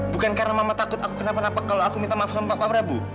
bukan karena mama takut aku kena penapak kalau aku minta maafkan pak prabu